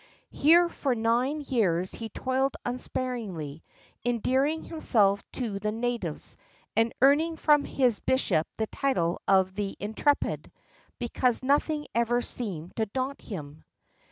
Here for nine years he toiled unsparingly, endearing himself to the natives, and earning from his bishop the title of "the intrepid," because nothing ever seemed to daunt him.